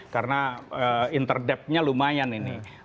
karena inter depthnya lumayan ini